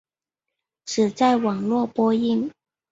只在网络播映。